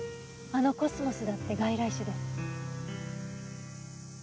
あのコスモスだって外来種です。